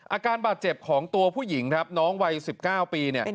อาการบาดเจ็บของตัวผู้หญิงน้องวัย๑๙ปี